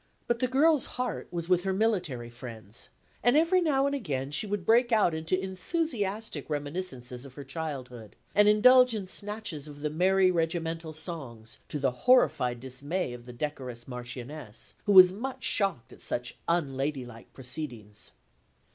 But the girl's heart was with her military friends; and every now and again she would break out into enthusiastic reminiscences of her childhood, and indulge in snatches of the merry regimental songs, to the horrified dismay of the decorous Marchioness, who was much shocked at such unladylike proceedings.